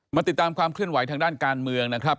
มาติดตามความเคลื่อนไหวทางด้านการเมืองนะครับ